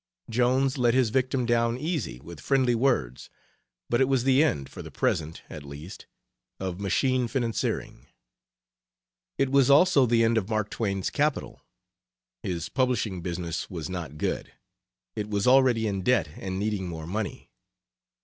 Jones "let his victim down easy" with friendly words, but it was the end, for the present, at least, of machine financiering. It was also the end of Mark Twain's capital. His publishing business was not good. It was already in debt and needing more money.